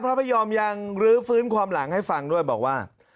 พระพยอมยังลื้อฟื้นความหลังให้ฟังด้วยบอกว่า